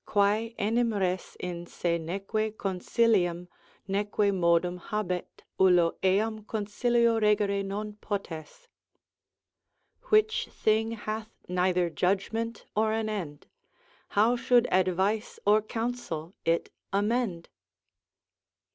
Quae enim res in se neque consilium neque modum Habet, ullo eam consilio regere non potes. Which thing hath neither judgment, or an end, How should advice or counsel it amend?